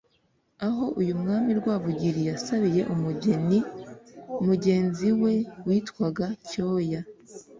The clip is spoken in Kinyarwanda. aho uyu mwami Rwabugiri yasabiye umugeni mugenzi we witwaga Cyoya